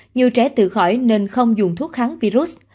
nhiều trẻ tự khỏi nên không dùng thuốc kháng virus